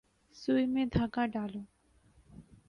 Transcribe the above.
سوئی میں دھاگہ ڈالو۔